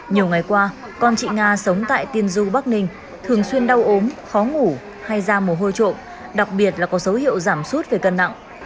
nhiều ngày qua con chị nga sống tại tiên du bắc ninh thường xuyên đau ốm khó ngủ hay ra mùa hôi trộm đặc biệt là có dấu hiệu giảm sút về cân nặng